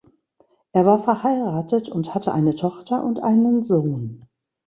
Er war verheiratet und hatte eine Tochter und einen Sohn.